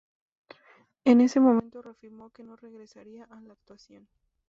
En ese momento reafirmó que no regresaría a la actuación.